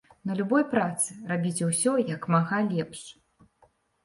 На любой працы, рабіце ўсё, як мага лепш.